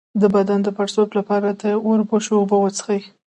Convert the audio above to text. د بدن د پړسوب لپاره د وربشو اوبه وڅښئ